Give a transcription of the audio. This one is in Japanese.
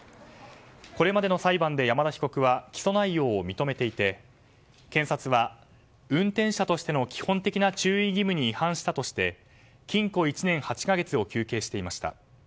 これまでの裁判で山田被告は認めていて、検察は運転者としての基本的な注意義務に違反したとして禁錮１年８か月を求刑していました。